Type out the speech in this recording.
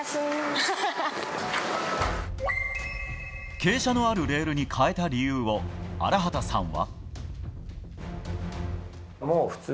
傾斜のあるレールに変えた理由を、荒畑さんは。